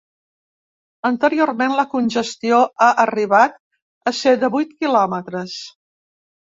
Anteriorment, la congestió ha arribat a ser de vuit quilòmetres.